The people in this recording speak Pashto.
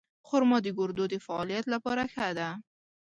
خرما د ګردو د فعالیت لپاره ښه ده.